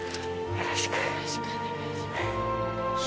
よろしくお願いします。